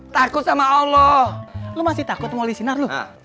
takut sama allah masih takut wali sinar